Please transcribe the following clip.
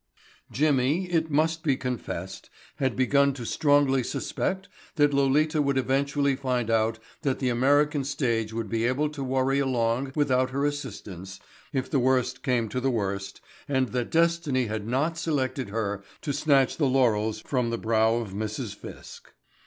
Jimmy, it must be confessed, had begun to strongly suspect that Lolita would eventually find out that the American stage would be able to worry along without her assistance if the worst came to the worst and that destiny had not selected her to snatch the laurels from the brow of Mrs. Fiske.